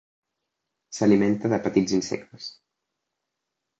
S'alimenta de petits insectes.